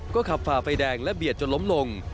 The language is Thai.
ก็ขับฝ่าไฟแดงและเบียดจนล้มลง